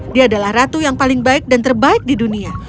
dia adalah ratu yang paling baik dan terbaik di dunia